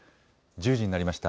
１０時になりました。